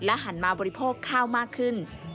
หันมาบริโภคข้าวมากขึ้น